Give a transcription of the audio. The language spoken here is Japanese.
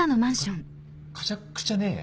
「かちゃっくちゃねえ」？